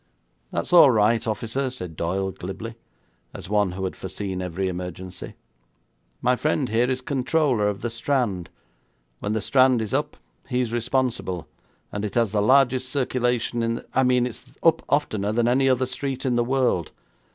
'That's all right, officer,' said Doyle glibly, as one who had foreseen every emergency. 'My friend here is controller of the Strand. When the Strand is up he is responsible, and it has the largest circulation in the I mean it's up oftener than any other street in the world.